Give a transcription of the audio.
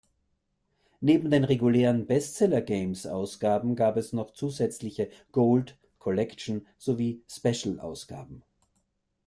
Neben den regulären Bestseller-Games-Ausgaben gab es noch zusätzliche "Gold-", "Collection-" sowie "Special"-Ausgaben.